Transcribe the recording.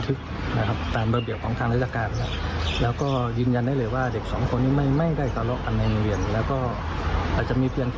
คือผอบอกว่าถ้าเกิดว่าเด็กต่อยกันจริง